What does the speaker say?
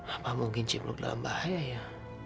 apa mungkin ciplok dalam bahaya ya